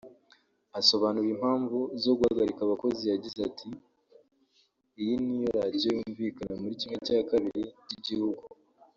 Asobanura impamvu zo guhagarika aba bakozi yagize ati “ Iyi ni radiyo yumvikana muri ½ cy’Igihugu